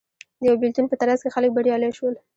د یوه بېلتون په ترڅ کې خلک بریالي شول